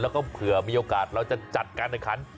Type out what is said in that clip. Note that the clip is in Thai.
แล้วก็เผื่อมีโอกาสเราจะจัดการแข่งขัน